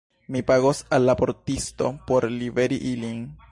Mi pagos al la portisto por liveri ilin.